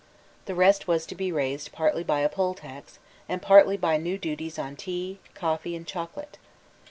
The rest was to be raised partly by a poll tax, and partly by new duties on tea, coffee and chocolate.